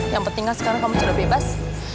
yang penting sekarang kami sudah bebas